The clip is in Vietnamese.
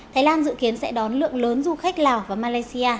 thái lan dự kiến sẽ đón lượng lớn du khách lào và malaysia